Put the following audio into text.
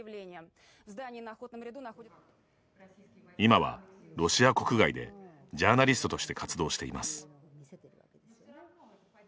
今はロシア国外でジャーナリストとして活動しています。